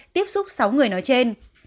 tiếp xúc sáu người nói trên